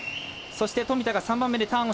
そして富田が３番目でターン。